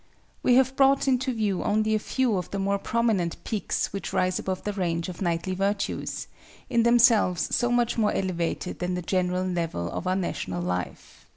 We have brought into view only a few of the more prominent peaks which rise above the range of knightly virtues, in themselves so much more elevated than the general level of our national life.